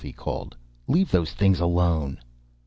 he called. "Leave those things alone!"